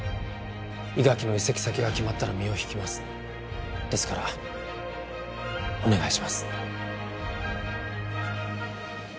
伊垣の移籍先が決まったら身を引きますですからお願いします